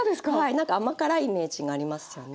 なんか甘辛いイメージがありますよね。